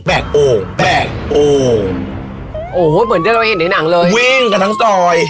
โอ่งแบกโอ่งโอ้โหเหมือนที่เราเห็นในหนังเลยวิ่งกันทั้งซอย